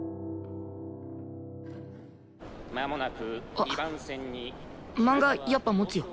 あっマンガやっぱ持つよ。